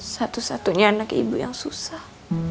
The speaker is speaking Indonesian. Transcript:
satu satunya anak ibu yang susah